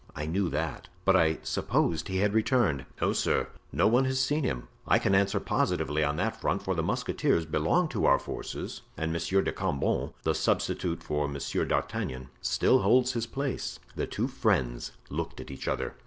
"I knew that, but I supposed he had returned." "No, sir; no one has seen him. I can answer positively on that point, for the musketeers belong to our forces and Monsieur de Cambon, the substitute for Monsieur d'Artagnan, still holds his place." The two friends looked at each other.